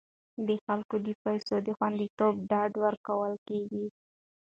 د خلکو د پیسو د خوندیتوب ډاډ ورکول کیږي.